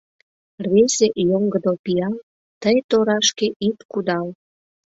Рвезе, йоҥгыдо пиал, Тый торашке ит кудал!